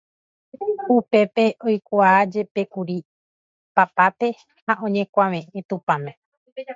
Upépe oikuaajepékuri Pápape ha oñekuaveʼẽ Tupãme.